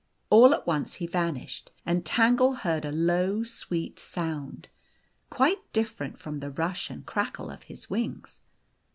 All at once he vanished, and Tangle heard a low, sweet sound, quite different from the rush and crackle of his wings.